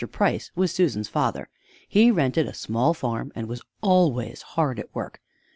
Price was Susan's father. He rented a small farm and was always hard at work.